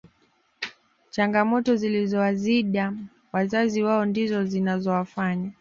changamoto zilizowazida wazazi wao ndizo zinawafanya